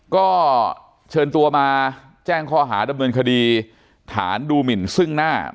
ก็เชิญตัวมาแจ้งข้อหาดำเนินคดีฐานดูหมินซึ่งหน้า